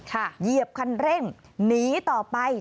เหยียบคันเร่งหนีต่อไป